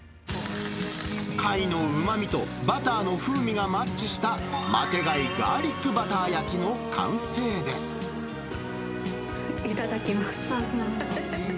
貝のうまみとバターの風味がマッチしたマテ貝ガーリックバター焼いただきます。